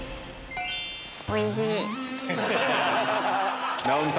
おいしい！